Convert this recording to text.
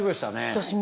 私も。